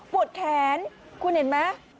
แขนคุณเห็นไหม